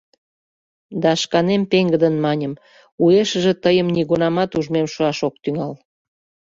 Да шканем пеҥгыдын маньым: уэшыже тыйым нигунамат ужмем шуаш ок тӱҥал.